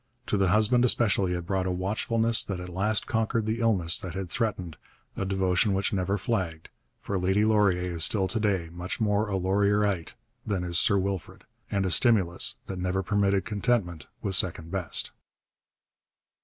To the husband especially it brought a watchfulness that at last conquered the illness that had threatened, a devotion which never flagged for Lady Laurier is still to day much more a 'Laurierite' than is Sir Wilfrid and a stimulus that never permitted contentment with second best.